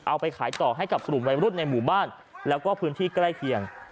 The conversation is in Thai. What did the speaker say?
เอาไปขายต่อให้กับกลุ่มวัยรุ่นในหมู่บ้านแล้วก็พื้นที่ใกล้เคียง